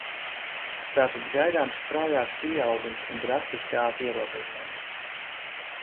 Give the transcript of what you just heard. Tātad, gaidāms straujāks pieaugums un drastiskāki ierobežojumi.